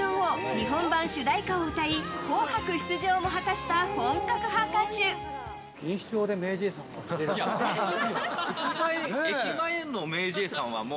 日本版主題歌を歌い「紅白」出場も果たした本格派歌手。という感じで。